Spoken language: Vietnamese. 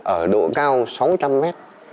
ở độ cao sáu trăm linh mét